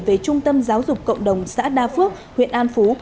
về trung tâm giáo dục cộng đồng xã đa phước huyện an phú